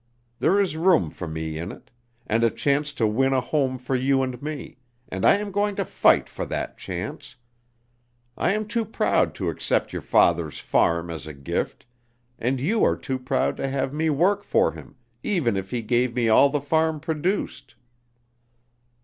There is room for me in it, and a chance to win a home for you and me, and I am going to fight for that chance. I am too proud to accept your father's farm as a gift, and you are too proud to have me work for him, even if he gave me all the farm produced.